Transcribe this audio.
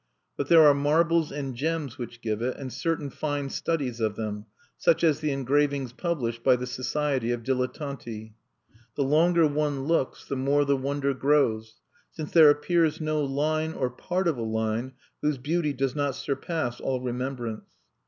But there are marbles and gems which give it, and certain fine studies of them, such as the engravings published by the Society of Dilettanti. The longer one looks, the more the wonder grows, since there appears no line, or part of a line, whose beauty does not surpass all remembrance.